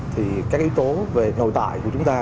thì các yếu tố về nội tại của chúng ta